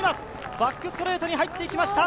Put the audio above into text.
バックストレートに入ってきました。